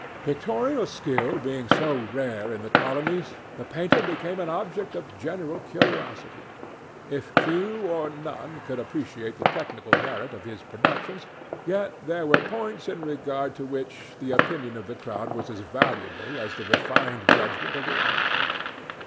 Pictorial skill being so rare in the colonies, the painter became an object of general curiosity. If few or none could appreciate the technical merit of his productions, yet there were points in regard to which the opinion of the crowd was as valuable as the refined judgment of the amateur.